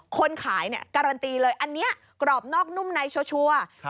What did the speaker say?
คนขายเนี่ยการันตีเลยอันนี้กรอบนอกนุ่มในชัวร์